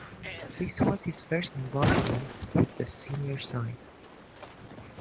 This was his first involvement with the senior side.